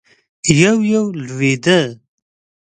يو- يو لوېده.